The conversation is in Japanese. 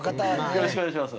よろしくお願いします